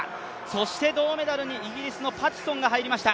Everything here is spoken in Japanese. そして銅メダルにイギリスのパティソンが入りました。